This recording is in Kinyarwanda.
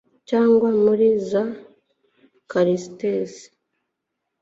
cyangwa muri za charités